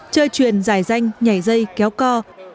chơi truyền giải danh nhảy dây kéo co